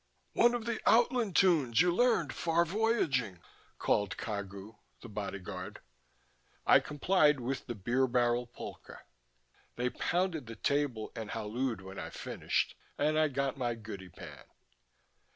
"One of the outland tunes you learned far voyaging," called Cagu, the bodyguard. I complied with the Beer Barrel Polka. They pounded the table and hallooed when I finished, and I got my goody pan.